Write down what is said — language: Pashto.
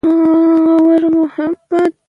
افغانستان په وګړي باندې تکیه لري.